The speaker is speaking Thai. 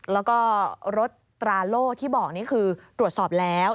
แล้วก็รถตราโล่ที่บอกนี่คือตรวจสอบแล้ว